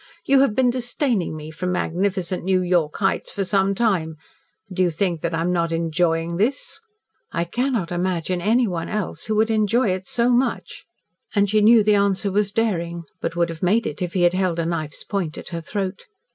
You have been disdaining me from magnificent New York heights for some time. Do you think that I am not enjoying this?" "I cannot imagine anyone else who would enjoy it so much." And she knew the answer was daring, but would have made it if he had held a knife's point at her throat.